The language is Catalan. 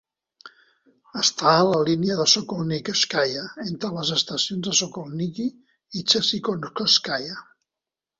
Està a la línia Sokolnicheskaya, entre les estacions Sokolniki i Cherkizovskaya.